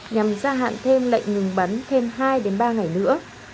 nhằm gia hạn thêm lệnh ngừng bắn thêm hai ba ngày nữa